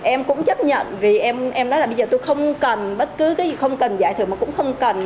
em cũng chấp nhận vì em nói là bây giờ tôi không cần bất cứ cái gì không cần giải thưởng mà cũng không cần